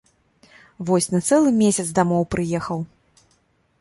Вось на цэлы месяц дамоў прыехаў.